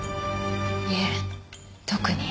いえ特に。